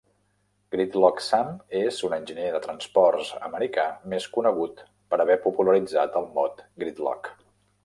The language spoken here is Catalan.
Gridlock Sam, és un enginyer de transports americà, més conegut per haver popularitzat el mot gridlock.